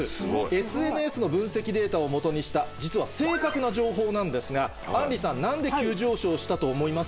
ＳＮＳの分析データを基にした実は正確な情報なんですがあんりさん何で急上昇したと思いますか？